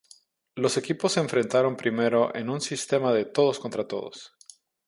Los equipos se enfrentaron primero en un sistema de todos contra todos.